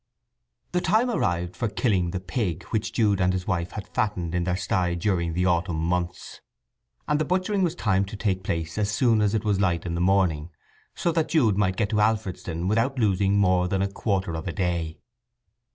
X The time arrived for killing the pig which Jude and his wife had fattened in their sty during the autumn months, and the butchering was timed to take place as soon as it was light in the morning, so that Jude might get to Alfredston without losing more than a quarter of a day.